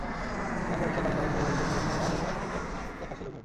এখানকার বিশাল প্রাণিজগৎ কেবল রেস্টুরেন্টে বসে নয়, আরও কাছ থেকে দেখার সুযোগ মিলবে।